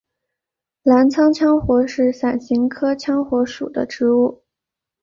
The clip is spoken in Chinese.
澜沧羌活是伞形科羌活属的植物。